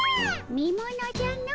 見ものじゃの。